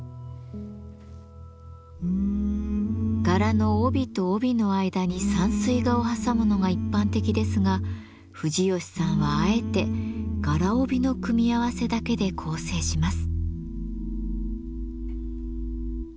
柄の帯と帯の間に山水画を挟むのが一般的ですが藤吉さんはあえて柄帯の組み合わせだけで構成します。